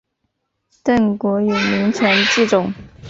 郑国有名臣祭仲。